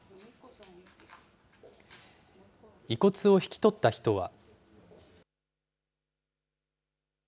遺骨を引き取った人は。